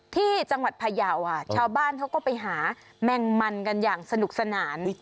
ที่จังหวัดพยาวค่ะชาวบ้านเขาก็ไปหาแมงมันกันอย่างสนุกสนาน